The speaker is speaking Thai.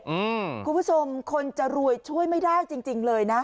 คุณผู้ชมคนจะรวยช่วยไม่ได้จริงจริงเลยนะ